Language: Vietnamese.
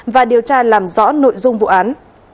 và điều tra làm rõ nội dung vụ án